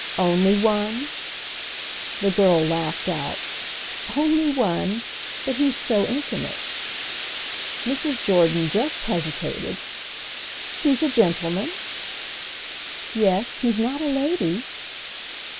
"Only one?" The girl laughed out. "Only one—but he's so intimate." Mrs. Jordan just hesitated. "He's a gentleman?" "Yes, he's not a lady."